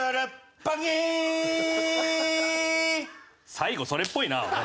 最後それっぽいな。